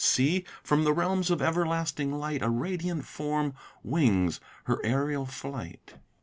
See! from the realms of everlasting light, A radiant form wings her aerial flight.